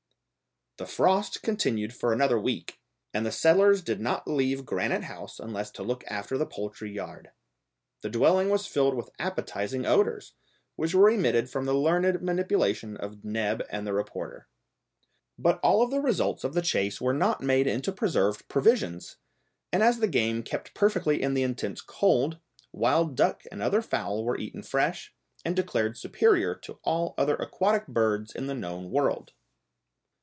The frost continued for another week, and the settlers did not leave Granite House unless to look after the poultry yard. The dwelling was filled with appetising odours, which were emitted from the learned manipulation of Neb and the reporter. But all the results of the chase were not made into preserved provisions; and as the game kept perfectly in the intense cold, wild duck and other fowl were eaten fresh, and declared superior to all other aquatic birds in the known world.